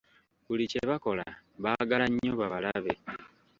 Buli kye bakola baagala nnyo babalabe.